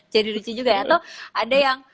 lucu juga ya atau ada yang